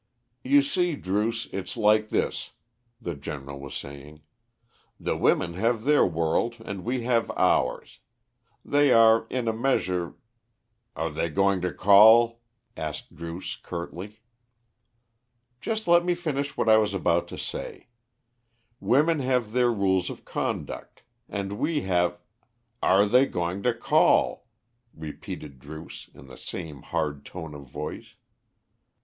"You see, Druce, it's like this," the General was saying, "the women have their world, and we have ours. They are, in a measure " "Are they going to call?" asked Druce curtly. "Just let me finish what I was about to say. Women have their rules of conduct, and we have " "Are they going to call?" repeated Druce, in the same hard tone of voice.